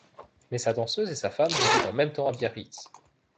Mais sa danseuse et sa femme résident en même temps à Biarritz.